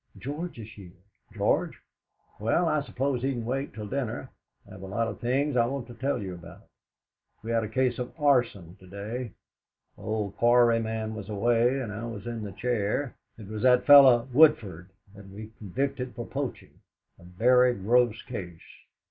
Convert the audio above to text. "George is here!" "George? Well, I suppose he can wait till dinner. I have a lot of things I want to tell you about. We had a case of arson to day. Old Quarryman was away, and I was in the chair. It was that fellow Woodford that we convicted for poaching a very gross case.